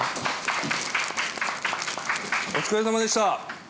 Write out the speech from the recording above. お疲れさまでした。